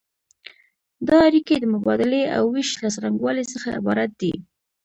دا اړیکې د مبادلې او ویش له څرنګوالي څخه عبارت دي.